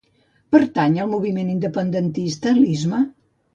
Pertany al moviment independentista l'Isma?